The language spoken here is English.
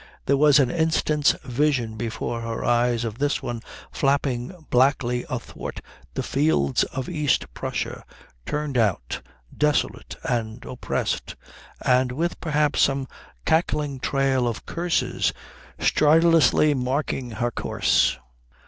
There was an instant's vision before her eyes of this one flapping blackly athwart the fields of East Prussia, turned out, desolate and oppressed, and with perhaps some cackling trail of curses stridulously marking her course.